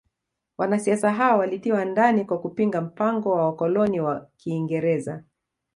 Wanasiasa hao walitiwa ndani kwa kupinga mpango wa wakoloni wa kiingereza